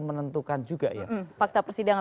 menentukan juga ya fakta persidangan